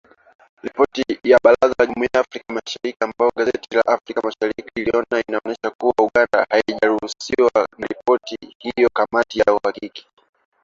Ripoti ya Baraza la Jumuiya la Afrika Mashariki ambayo gazeti la Afrika Mashariki iliiona inaonyesha kuwa Uganda haijaridhishwa na ripoti hiyo ya kamati ya uhakiki